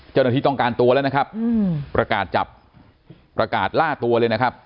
เจ้าหน้าที่ต้องการตัวแล้วนะครับประกาศจับประกาศล่าตัวเลยนะครับ